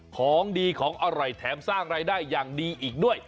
ของดีของอร่อยแถมสร้างรายได้อย่างดีอีกด้วย